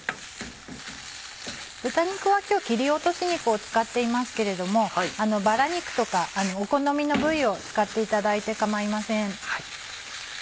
豚肉は今日切り落とし肉を使っていますけれどもバラ肉とかお好みの部位を使っていただいて構いません。